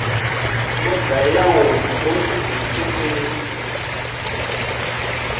Mo gah yan wo com kǝsyiltǝlli.